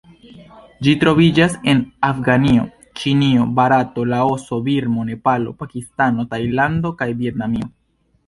Ĝi troviĝas en Afganio, Ĉinio, Barato, Laoso, Birmo, Nepalo, Pakistano, Tajlando kaj Vjetnamio.